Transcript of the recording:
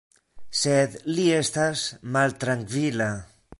Sed li estas maltrankvila.